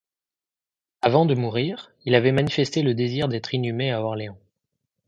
Avant de mourir, il avait manifesté le désir d’être inhumé à Orléans.